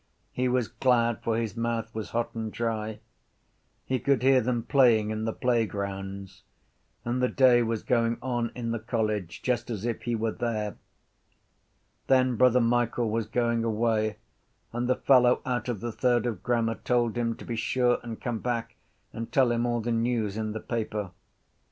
He was glad for his mouth was hot and dry. He could hear them playing in the playgrounds. And the day was going on in the college just as if he were there. Then Brother Michael was going away and the fellow out of the third of grammar told him to be sure and come back and tell him all the news in the paper.